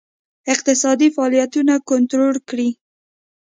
اقتصادي فعالیتونه کنټرول کړي.